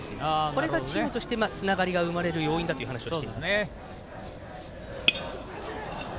これがチームとしてつながりが生まれる要因だと話をしています。